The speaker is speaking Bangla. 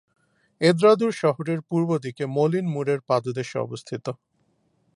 এদ্রাদুর শহরের পূর্ব দিকে মোলিন মুরের পাদদেশে অবস্থিত।